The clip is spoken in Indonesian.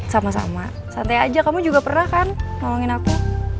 sama sama santai aja kamu juga pernah kan ngomongin aku